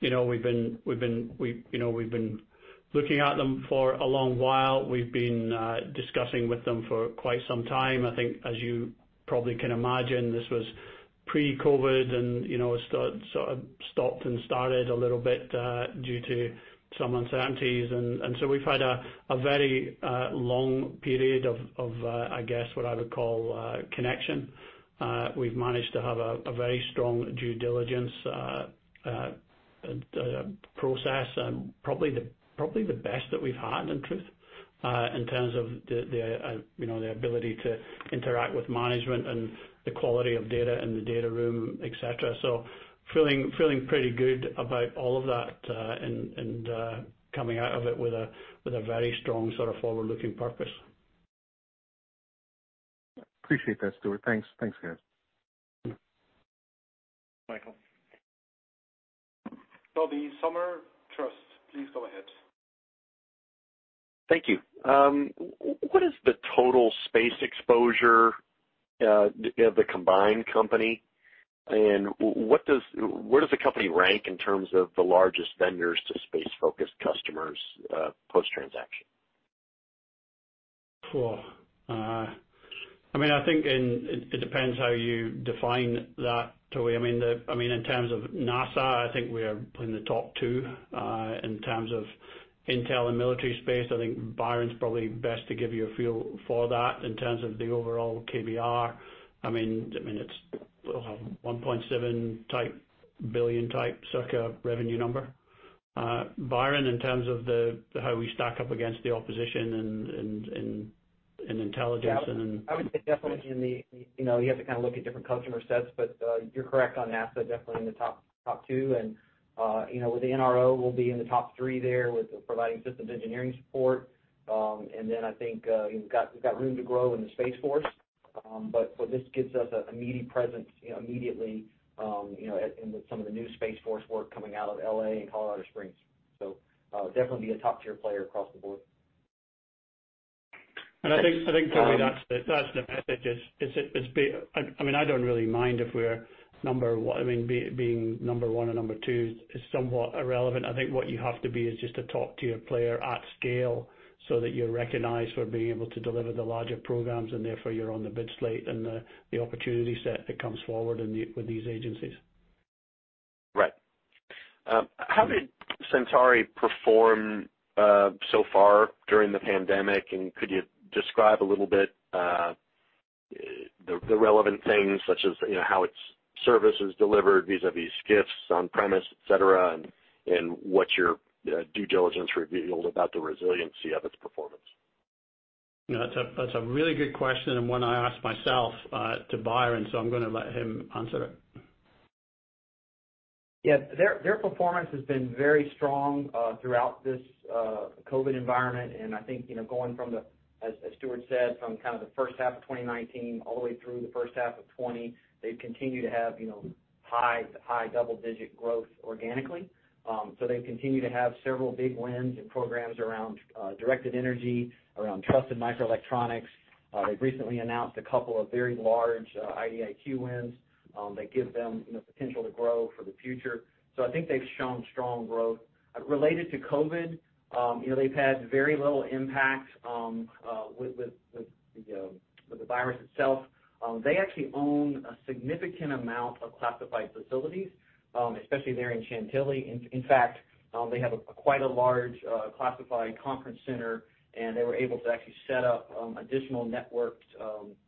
We've been looking at them for a long while. We've been discussing with them for quite some time. I think as you probably can imagine, this was pre-COVID and sort of stopped and started a little bit, due to some uncertainties. We've had a very long period of, I guess, what I would call a connection. We've managed to have a very strong due diligence process, probably the best that we've had, in truth, in terms of the ability to interact with management and the quality of data in the data room, et cetera. Feeling pretty good about all of that, and coming out of it with a very strong sort of forward-looking purpose. Appreciate that, Stuart. Thanks. Thanks, guys. Michael. Tobey Sommer, Truist. Please go ahead. Thank you. What is the total space exposure of the combined company, and where does the company rank in terms of the largest vendors to space-focused customers post-transaction? I think it depends how you define that, Tobey. In terms of NASA, I think we are in the top 2. In terms of Intel and military space, I think Byron's probably best to give you a feel for that. In terms of the overall KBR, it's $1.7 type billion type circa revenue number. Byron, in terms of how we stack up against the opposition in intelligence and- Yeah. I would say definitely, you have to look at different customer sets, but you're correct on NASA, definitely in the top 2. With the NRO, we'll be in the top 3 there with providing systems engineering support. I think we've got room to grow in the Space Force. This gives us a meaty presence immediately in some of the new Space Force work coming out of L.A. and Colorado Springs. Definitely be a top-tier player across the board. I think, Tobey, that's the message is, I don't really mind if we're number 1. Being number 1 or number 2 is somewhat irrelevant. I think what you have to be is just a top-tier player at scale so that you're recognized for being able to deliver the larger programs, and therefore, you're on the bid slate and the opportunity set that comes forward with these agencies. How did Centauri perform so far during the pandemic? Could you describe a little bit the relevant things such as how its service is delivered vis-a-vis shifts on-premise, et cetera, and what your due diligence revealed about the resiliency of its performance? That's a really good question, and one I asked myself to Byron, so I'm going to let him answer it. Yeah. Their performance has been very strong throughout this COVID environment, and I think, going from, as Stuart said, from kind of the first half of 2019 all the way through the first half of 2020, they've continued to have high double-digit growth organically. They've continued to have several big wins and programs around directed energy, around trusted microelectronics. They've recently announced a couple of very large IDIQ wins that give them the potential to grow for the future. I think they've shown strong growth. Related to COVID, they've had very little impact with the virus itself. They actually own a significant amount of classified facilities, especially there in Chantilly. In fact, they have quite a large classified conference center, and they were able to actually set up additional networked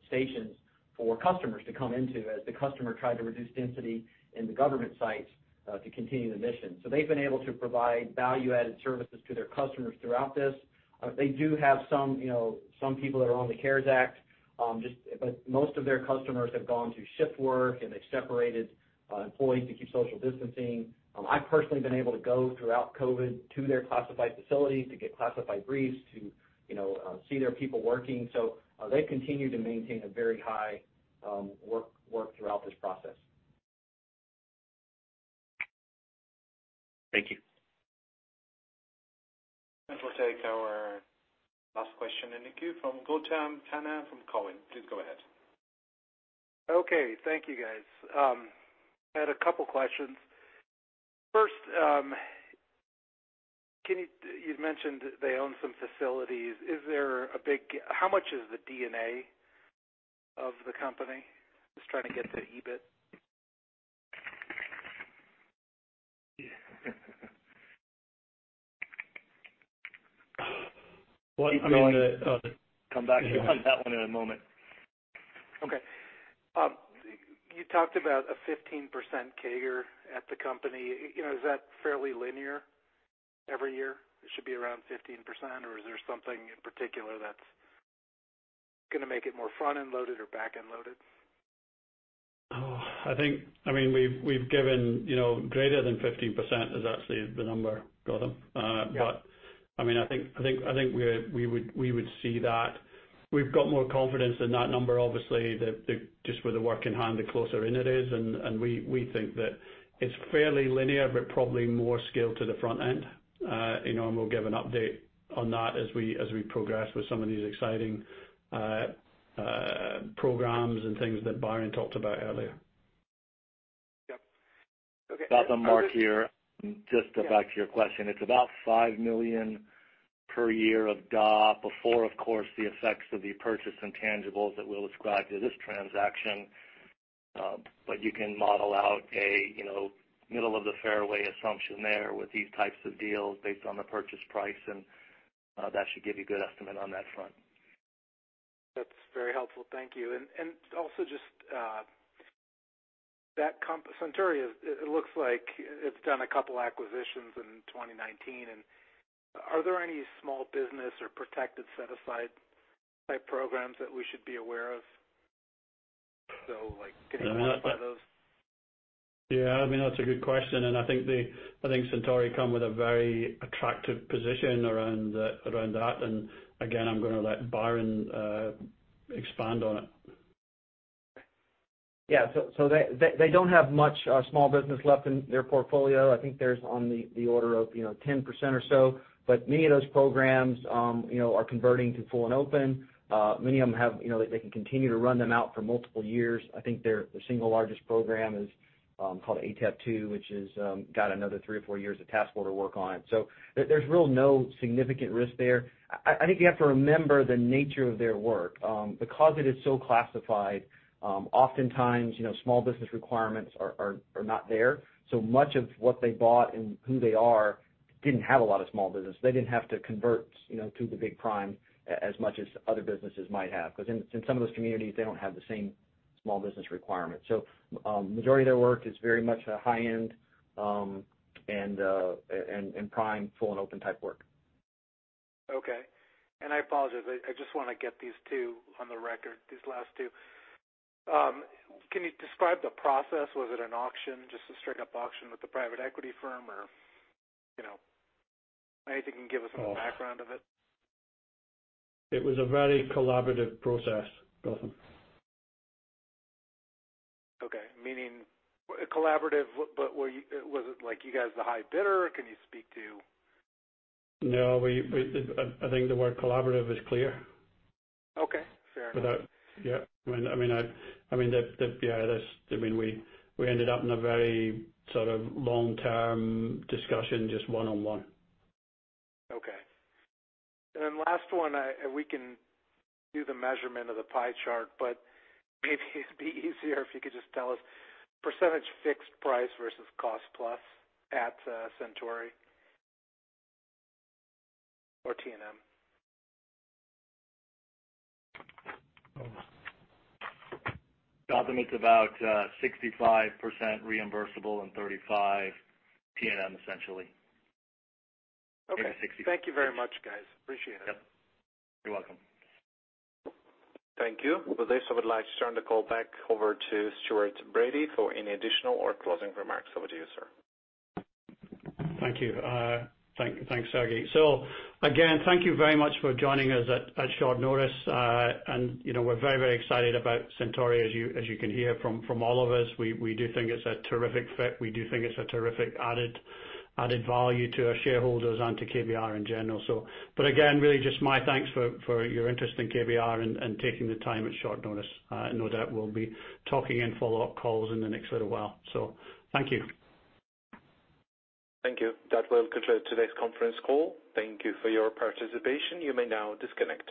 stations for customers to come into as the customer tried to reduce density in the government sites to continue the mission. They've been able to provide value-added services to their customers throughout this. They do have some people that are on the CARES Act, but most of their customers have gone to shift work, and they've separated employees to keep social distancing. I've personally been able to go throughout COVID to their classified facilities to get classified briefs to see their people working. They've continued to maintain a very high work throughout this process. Thank you. We'll take our last question in the queue from Gautam Khanna from Cowen. Please go ahead. Okay. Thank you, guys. I had a couple questions. First, you'd mentioned they own some facilities. How much is the D&A of the company? Just trying to get to EBIT. I'm going to come back to you on that one in a moment. Okay. You talked about a 15% CAGR at the company. Is that fairly linear every year? It should be around 15%, or is there something in particular that's going to make it more front-end loaded or back-end loaded? Oh. We've given greater than 15% is actually the number, Gautam. Yeah. I think we would see that we've got more confidence in that number, obviously, just with the work in hand, the closer in it is, and we think that it's fairly linear, but probably more scaled to the front end. We'll give an update on that as we progress with some of these exciting programs and things that Byron talked about earlier. Yep. Okay. Gautam, Mark here. Just to go back to your question, it's about $5 million per year of D&A before, of course, the effects of the purchase and tangibles that we'll ascribe to this transaction. You can model out a middle-of-the-fairway assumption there with these types of deals based on the purchase price, and that should give you a good estimate on that front. That's very helpful. Thank you. Also, just that Centauri, it looks like it's done a couple acquisitions in 2019. Are there any small business or protected set-aside type programs that we should be aware of? Like, getting awarded by those. Yeah. That's a good question, I think Centauri come with a very attractive position around that. Again, I'm going to let Byron expand on it. Yeah. They don't have much small business left in their portfolio. I think there's on the order of 10% or so. Many of those programs are converting to full and open. Many of them they can continue to run them out for multiple years. I think their single largest program is called ATEP 2, which has got another three or four years of task order work on it. There's really no significant risk there. I think you have to remember the nature of their work. Because it is so classified, oftentimes small business requirements are not there. Much of what they bought and who they are didn't have a lot of small business. They didn't have to convert to the big prime as much as other businesses might have. Because in some of those communities, they don't have the same small business requirements. Majority of their work is very much a high-end and prime full and open type work. Okay. I apologize, I just want to get these two on the record, these last two. Can you describe the process? Was it an auction, just a straight-up auction with the private equity firm, or anything you can give us on the background of it? It was a very collaborative process, Gautam. Okay. Meaning collaborative, was it like you guys the high bidder? Can you speak to No. I think the word collaborative is clear. Okay. Fair enough. Yeah. We ended up in a very sort of long-term discussion, just one-on-one. Okay. Last one, we can do the measurement of the pie chart, but maybe it'd be easier if you could just tell us % fixed price versus cost plus at Centauri or T&M. Gautam, it's about 65% reimbursable and 35% T&M, essentially. Okay. Maybe 60%, 30%. Thank you very much, guys. Appreciate it. Yep. You're welcome. Thank you. With this, I would like to turn the call back over to Stuart Bradie for any additional or closing remarks. Over to you, sir. Thank you. Thanks, Sergey. Again, thank you very much for joining us at short notice. We're very excited about Centauri, as you can hear from all of us. We do think it's a terrific fit. We do think it's a terrific added value to our shareholders and to KBR in general. Again, really just my thanks for your interest in KBR and taking the time at short notice. No doubt we'll be talking in follow-up calls in the next little while. Thank you. Thank you. That will conclude today's conference call. Thank you for your participation. You may now disconnect.